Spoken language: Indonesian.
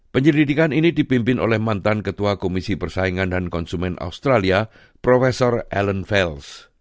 penyelidikan ini dipimpin oleh mantan ketua komisi persaingan dan konsumen australia prof ellen vels